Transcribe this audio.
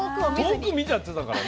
遠く見ちゃってたからね。